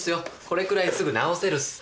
これくらいすぐ直せるっす。